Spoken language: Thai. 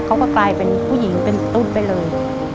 เขาก็กลายเป็นผู้หญิงเป็นตุ๊ดไปเลย